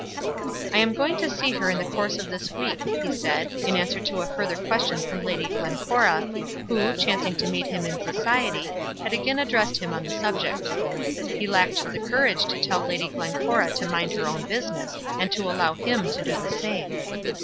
"I am going to see her in the course of this week," he said, in answer to a further question from Lady Glencora, who, chancing to meet him in society, had again addressed him on the subject. He lacked the courage to tell Lady Glencora to mind her own business and to allow him to do the same.